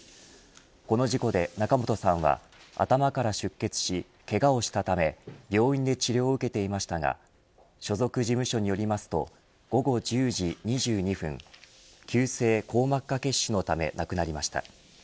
この事故で仲本さんは頭から出血し、けがをしたため病院で治療を受けていましたが所属事務所によりますと午後１０時２２分急性硬膜下血腫のため亡くなりました。